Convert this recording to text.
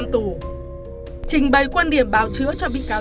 trình bày quan điểm báo chữa cho bị cáo